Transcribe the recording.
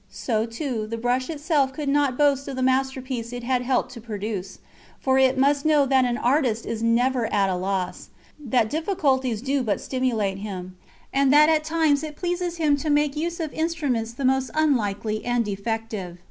So, too, the brush itself could not boast of the masterpiece it had helped to produce, for it must know that an artist is never at a loss; that difficulties do but stimulate him; and that at times it pleases him to make use of instruments the most unlikely and defective.